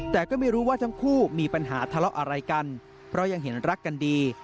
แต่ก็ไม่รู้ว่าทั้งคู่มีปัญหาทะเลาะอะไรกันเพราะยังเห็นรักกันดี